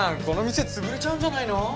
この店つぶれちゃうんじゃないの？